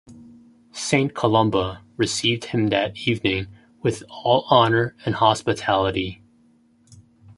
Saint Columba received him that evening with all honour and hospitality.